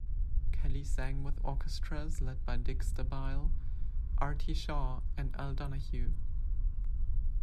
Kelly sang with orchestras led by Dick Stabile, Artie Shaw, and Al Donahue.